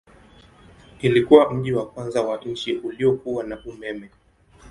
Ilikuwa mji wa kwanza wa nchi uliokuwa na umeme.